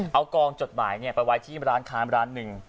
เอากองจดหมายไปไว้ที่ร้านค้าร้านหนึ่ง